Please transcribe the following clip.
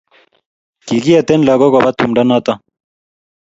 kikieten lagok koba tumdo noto